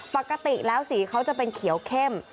ปกติแล้วสีเขาจะเป็นเขียวเข้ม